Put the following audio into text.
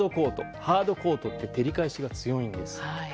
ハードコートって照り返しが強いんです。